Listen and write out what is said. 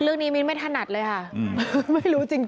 เรื่องนี้มิ้นไม่ทันัดเลยค่ะ